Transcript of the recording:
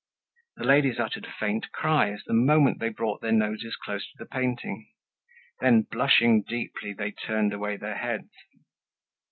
The ladies uttered faint cries the moment they brought their noses close to the painting. Then, blushing deeply they turned away their heads.